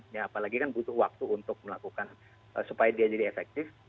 ya apalagi kan butuh waktu untuk melakukan supaya dia jadi efektif